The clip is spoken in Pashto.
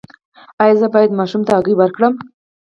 ایا زه باید ماشوم ته هګۍ ورکړم؟